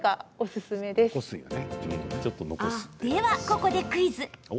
では、ここでクイズ。